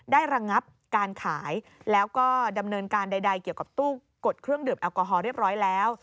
ระงับการขายแล้วก็ดำเนินการใดเกี่ยวกับตู้กดเครื่องดื่มแอลกอฮอลเรียบร้อยแล้ว